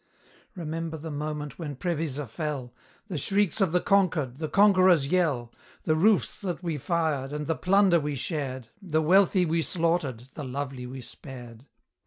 Remember the moment when Previsa fell, The shrieks of the conquered, the conqueror's yell; The roofs that we fired, and the plunder we shared, The wealthy we slaughtered, the lovely we spared.